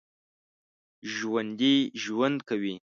ژوندي ژوند کوي